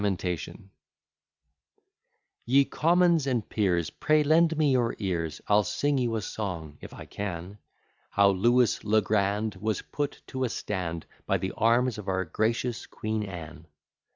" Ye Commons and Peers, Pray lend me your ears, I'll sing you a song, (if I can,) How Lewis le Grand Was put to a stand, By the arms of our gracious Queen Anne.